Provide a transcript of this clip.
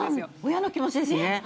親の気持ちですよね。